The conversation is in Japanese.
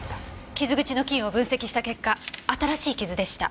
傷口の菌を分析した結果新しい傷でした。